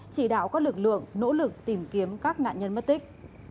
chỉ đạo các lực lượng nỗ lực tìm kiếm các nạn nhân mất tích